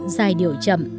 dài điệu chậm